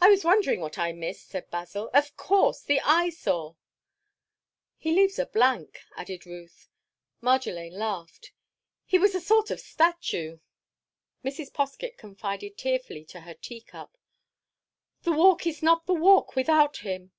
"I was wondering what I missed," said Basil, "of course! The Eyesore!" "He leaves a blank," added Ruth. Marjolaine laughed. "He was a sort of statue." Mrs. Poskett confided tearfully to her tea cup. "The Walk is not the Walk without him."